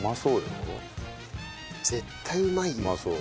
絶対うまいよ。